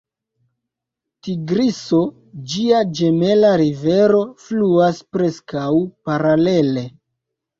Tigriso, ĝia ĝemela rivero, fluas preskaŭ paralele.